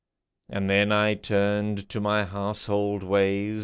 " And then I turned to my household ways.